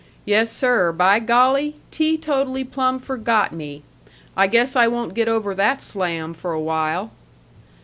Yessir, by golly! teetotally plumb forgot me. I guess I won't get over that slam for a while."